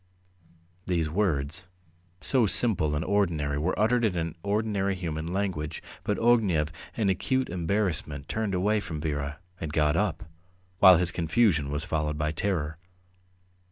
These words, so simple and ordinary, were uttered in ordinary human language, but Ognev, in acute embarrassment, turned away from Vera, and got up, while his confusion was followed by terror.